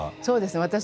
そうですね